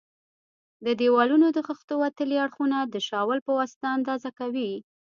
د دېوالونو د خښتو وتلي اړخونه د شاول په واسطه اندازه کوي.